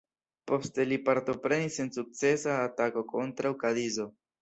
Poste li partoprenis en sukcesa atako kontraŭ Kadizo.